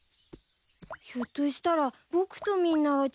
ひょっとしたら僕とみんなは違うのかな？